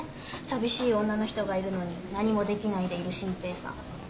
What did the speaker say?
寂しい女の人がいるのに何もできないでいる真平さん。